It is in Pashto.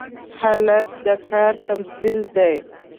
هلک د کار تمثیل دی.